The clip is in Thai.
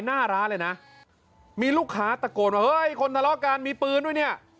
หน้าร้านเลยนะมีลูกค้าตะโกนว่าเฮ้ยคนทะเลาะกันมีปืนด้วยเนี่ย